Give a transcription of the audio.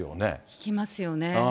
聞きますよね。